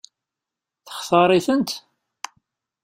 Textaṛ-itent?